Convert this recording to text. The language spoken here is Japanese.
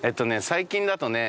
最近だとね